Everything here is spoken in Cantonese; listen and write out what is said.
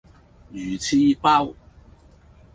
魚翅包